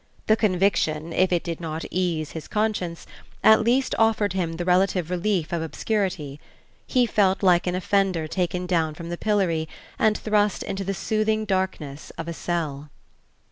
The conviction, if it did not ease his conscience, at least offered him the relative relief of obscurity: he felt like an offender taken down from the pillory and thrust into the soothing darkness of a cell.